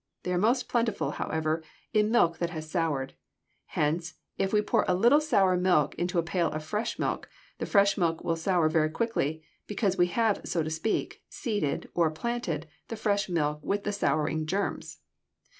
They are most plentiful, however, in milk that has soured; hence, if we pour a little sour milk into a pail of fresh milk, the fresh milk will sour very quickly, because we have, so to speak, "seeded" or "planted" the fresh milk with the souring germs.